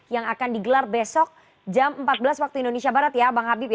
yang akan digelar besok jam empat belas waktu indonesia barat ya bang habib ya